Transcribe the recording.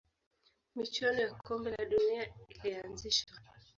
michuano ya kombe la dunia ilianzishwa